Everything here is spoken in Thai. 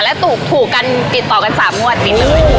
แล้วถูกถูกกันติดต่อกันสามงวดโอ้โห